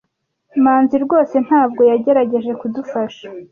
Manzi rwose ntabwo yagerageje kudufasha.